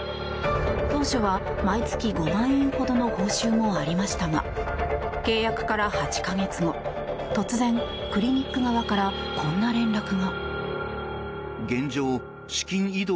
当初は毎月５万円ほどの報酬もありましたが契約から８か月後、突然クリニック側からこんな連絡が。